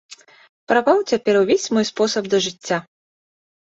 Прапаў цяпер увесь мой спосаб да жыцця.